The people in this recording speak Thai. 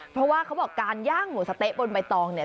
เพราะว่าเขาบอกการย่างหมูสะเต๊ะบนใบตองเนี่ย